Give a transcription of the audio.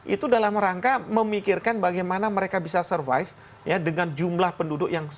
itu dalam rangka memikirkan bagaimana mereka bisa survive dengan jumlah penduduk yang sangat